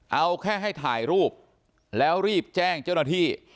เอาแค่ให้ถ่ายรูปแล้วรีบแจ้งเจ้าหน้าที่